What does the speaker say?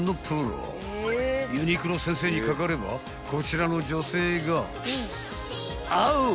［ユニクロ先生にかかればこちらの女性がオー！